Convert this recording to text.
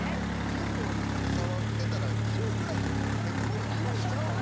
柔道に携わってたら「キログラム」って結構言うんちゃうん？